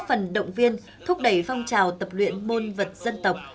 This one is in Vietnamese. giải đấu góp phần động viên thúc đẩy phong trào tập luyện môn vật dân tộc